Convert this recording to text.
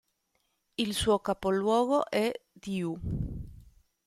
Il suo capoluogo è Diu.